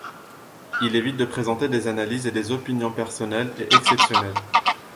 Il évite de présenter des analyses et des opinions personnelles et exceptionnelles.